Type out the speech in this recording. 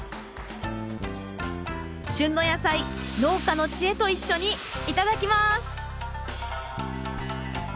旬の野菜農家の知恵と一緒に頂きます！